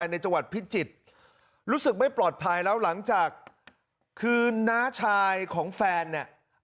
ในจังหวัดพิจิตรรู้สึกไม่ปลอดภัยแล้วหลังจากคืนน้าชายของแฟนเนี่ย